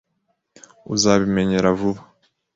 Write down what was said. Uzabimenyera vuba.